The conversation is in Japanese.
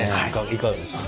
いかがですか？